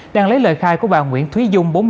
đang lấy lời khai của bà nguyễn thúy dung